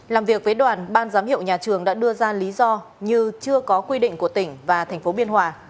làm việc với đoàn ban giám hiệu nhà trường đã đưa ra lý do như chưa có quy định của tỉnh và thành phố biên hòa